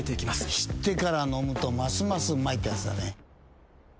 知ってから飲むとますますうまいってやつだね。